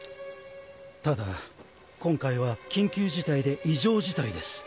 ただ今回は緊急事態で異常事態です。